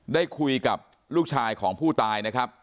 ได้คุยกับลูกชายของผู้ตาย